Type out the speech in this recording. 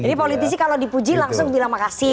jadi politisi kalau dipuji langsung bilang makasih